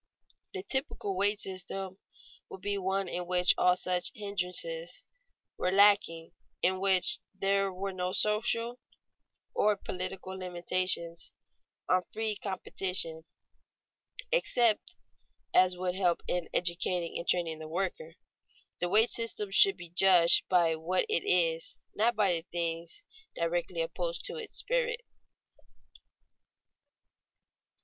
The typical wage system would be one in which all such hindrances were lacking, in which there were no social or political limitations on free competition except such as would help in educating and training the worker. The wage system should be judged by what it is, not by things directly opposed to its spirit.